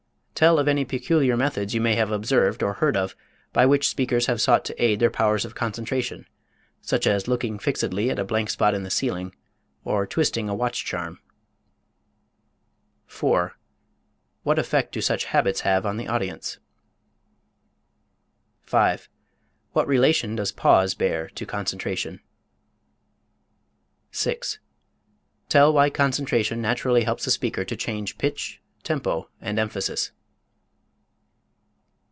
Tell of any peculiar methods you may have observed or heard of by which speakers have sought to aid their powers of concentration, such as looking fixedly at a blank spot in the ceiling, or twisting a watch charm. 4. What effect do such habits have on the audience? 5. What relation does pause bear to concentration? 6. Tell why concentration naturally helps a speaker to change pitch, tempo, and emphasis.